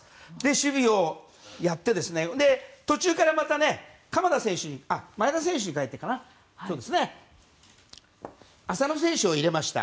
守備をやって、途中から前田選手に代えてかな浅野選手を入れました。